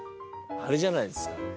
あれじゃないですか？